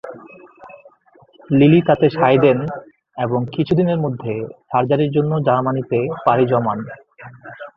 Lily তাতে সায় দেন এবং কিছুদিনের মধ্যে সার্জারির জন্য জার্মানিতে পাড়ি জমান।